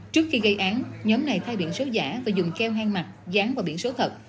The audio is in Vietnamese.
trước khi gây án nhóm này thay biển số giả và dùng keo hang mặt dán vào biển số thật